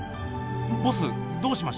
ボスどうしました？